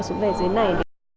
chữa ở dưới này